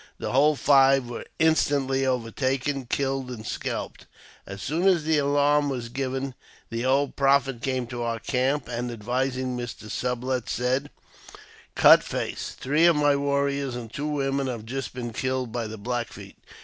The whole five were instantly overtaken, killed, and scalped. As soon as the alarm was given, the old prophet came to our camp, and, addressing Mr. Sublet, said, " Cut Face, three of my warriors and two women have just been killed by the Black Feet.